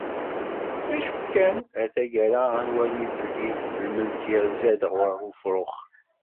D acu kan, ar taggara, ad nwali d belli lmelk irza-d ɣer ufṛux.